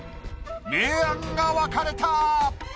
明暗が分かれた！